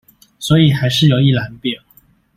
所以還是有一覽表